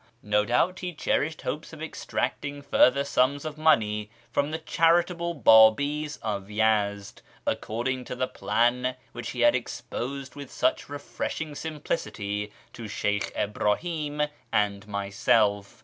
" No doubt he cherished hopes of extracting further sums of money from the charitable Babis of Yezd, according to the plan which he had exposed with such refreshing simplicity to Sheykh Ibrahim and myself.